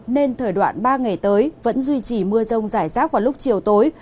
nên thời đoạn ba ngày tới vẫn duy trì mưa rông rải rác vào lúc chiều tối